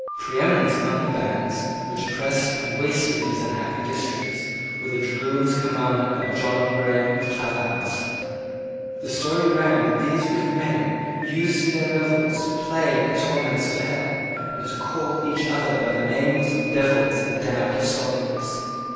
Preeminent among the bands which oppressed and wasted these unhappy districts were the dragoons commanded by John Graham of Claverhouse. The story ran that these wicked men used in their revels to play at the torments of hell, and to call each other by the names of devils and damned souls.